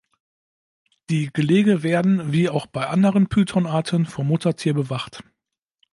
Die Gelege werden, wie auch bei anderen Phyton-Arten, vom Muttertier bewacht.